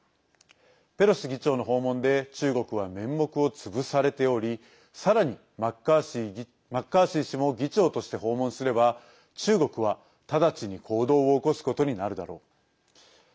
ペロシ議長の訪問で中国は面目を潰されておりさらに、マッカーシー氏も議長として訪問すれば中国は直ちに行動を起こすことになるだろう。